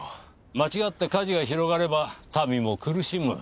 間違って火事が広がれば民も苦しむ。